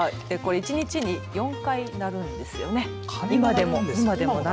一日に４回、鳴るんですよね。